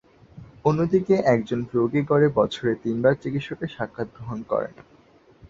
অন্যদিকে একজন রোগী গড়ে বছরে তিনবার চিকিৎসকের সাক্ষাৎ গ্রহণ করেন।